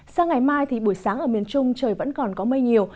sang ngày mai thì buổi sáng ở miền trung trời vẫn còn có mây nhiều